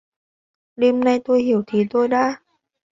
Đêm nay tôi hiểu thì tôi đã